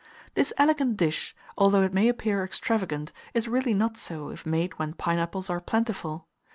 This elegant dish, although it may appear extravagant, is really not so if made when pineapples are plentiful.